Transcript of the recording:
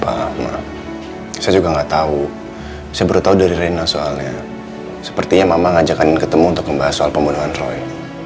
pas saya sampai sana tiba tiba peduli buat mbak andin biar dia ngajakin dia di laguna pak saya juga gak tau saya baru tau dari reina soalnya sepertinya mama ngajak anin ketemu untuk membahas soal pembunuhan roy